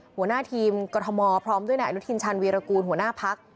หัวหน้าทีมกรทมพร้อมด้วยนายอนุทินชาญวีรกูลหัวหน้าพัก